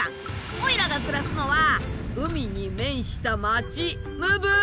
おいらが暮らすのは海に面した町ムブール！